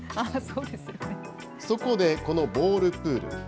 そこで、このボールプール。